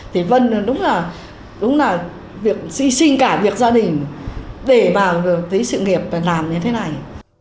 thì vân đúng là đúng là di sinh cả việc gia đình để vào tới sự nghiệp và làm như thế này